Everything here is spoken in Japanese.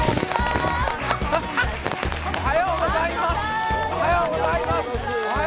おはようございます。